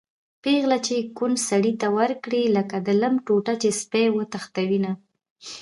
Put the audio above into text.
پېغله چې کونډ سړي ته ورکړي-لکه د لم ټوټه چې سپی وتښتوېنه